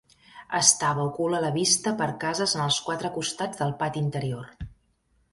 Estava ocult a la vista per cases en els quatre costats del pati interior.